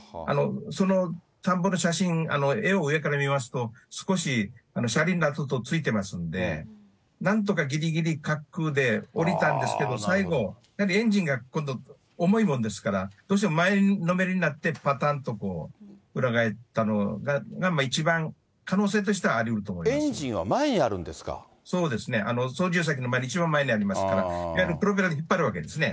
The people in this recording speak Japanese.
その田んぼの写真、絵を上から見ますと、少し車輪の跡がついてますんで、なんとかぎりぎり滑空で下りたんですけど、やはりエンジンが重いものですから、どうしても前のめりになって、ぱたんとこう、裏返ったのが、一番可能性としてはありうると思いエンジンは前にあるんですかそうですね、操縦席の前、一番前にありますから、いわゆるプロペラで引っ張るんですね。